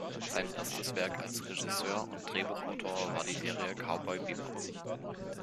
Sein erstes Werk als Regisseur und Drehbuchautor war die Serie "Cowboy Bebop".